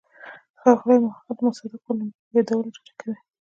ښاغلی محق د مصادقو له یادولو ډډه کوي.